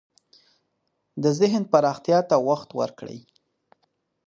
د ذهن پراختیا ته وخت ورکړئ.